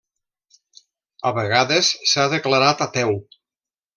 A vegades s'ha declarat ateu.